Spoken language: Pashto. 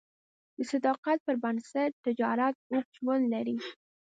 د صداقت پر بنسټ تجارت اوږد ژوند لري.